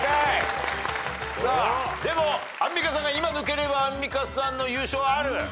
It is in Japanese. でもアンミカさんが今抜ければアンミカさんの優勝ある。